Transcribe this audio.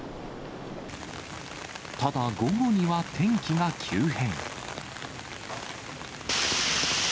ただ、午後には天気が急変。